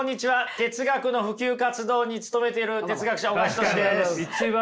哲学の普及活動に努めている哲学者小川仁志です。